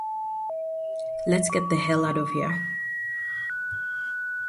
Let's get the hell out of here.